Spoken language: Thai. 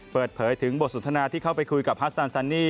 เปิดเผยถึงบทสนทนาที่เข้าไปคุยกับฮัสซานซันนี่